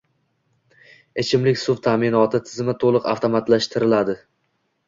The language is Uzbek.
Ichimlik suv ta’minoti tizimi to‘liq avtomatlashtirilading